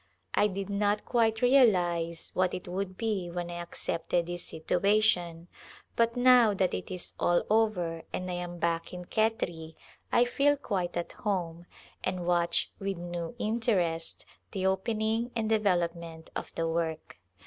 I did not quite realize what it would be A Glimpse of India when I accepted this situation, but now that it is all over and I am back in Khetri I feel quite at home, and watch with new interest the opening and develop ment of the work.